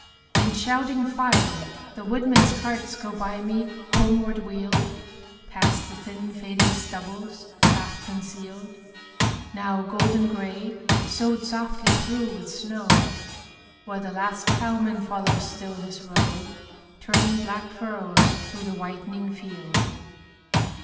In shouting file The woodmen's carts go by me homeward wheeled, Past the thin fading stubbles, half concealed, Now golden gray, sowed softly through with snow, Where the last ploughman follows still his row, Turning black furrows through the whitening field.